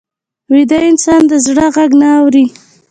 ویده انسان د زړه غږ نه اوري